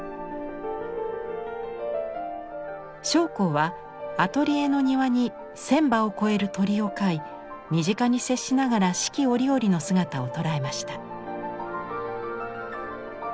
松篁はアトリエの庭に１，０００羽を超える鳥を飼い身近に接しながら四季折々の姿を捉えました。